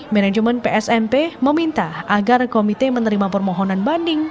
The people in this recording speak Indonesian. manajemen psmp meminta agar komite menerima permohonan banding